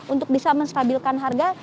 untuk bisa menstabilkan harga